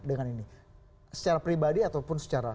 dengan ini secara pribadi ataupun secara